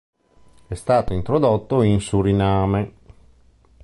È stato introdotto in Suriname.